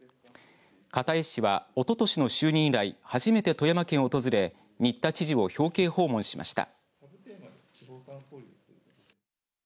片江氏はおととしの就任以来初めて富山県を訪れ新田知事を表敬訪問しました。